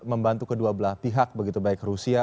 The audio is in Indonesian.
membantu kedua belah pihak begitu baik rusia